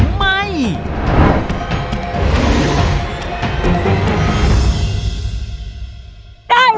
ได้ใช่ไหม